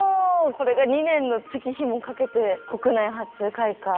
これが２年の月日もかけて国内初開花。